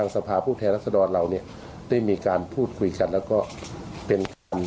ซึ่งอันนี้ก็